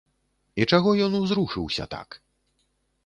І чаго ён узрушыўся так?